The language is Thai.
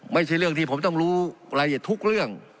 ไม่ใช่เรื่องที่ผมต้องรู้โลดิเชื่อพลังรายละเอียดทุกเรื่อง